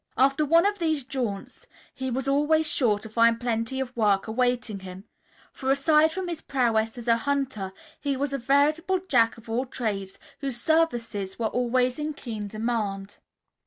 After one of these jaunts he was always sure to find plenty of work awaiting him, for aside from his prowess as a hunter, he was a veritable Jack of all trades whose services were always in keen demand.